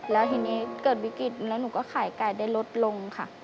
แล้วทีนี้เกิดวิกฤตแล้วหนูก็ขายไก่ได้ลดลงค่ะ